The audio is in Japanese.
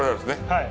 はい。